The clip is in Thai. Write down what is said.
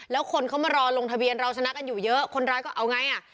แล้วคนเขามารอลงทะเบียนเราชนะกันอยู่เยอะคนร้ายก็เอาไงอ่ะ